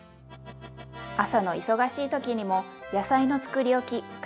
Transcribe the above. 朝の忙しい時にも野菜のつくりおき活躍しますよ。